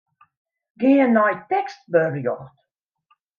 Gean nei tekstberjocht.